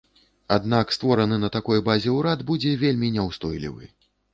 Аднак створаны на такой базе ўрад будзе вельмі няўстойлівы.